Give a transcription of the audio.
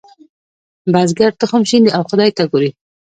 بزګر تخم شیندي او خدای ته ګوري.